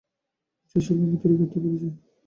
কিছু স্ফুলিঙ্গ তৈরি করতে পেরেছি।